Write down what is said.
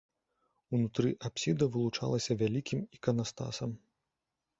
Унутры апсіда вылучалася вялікім іканастасам.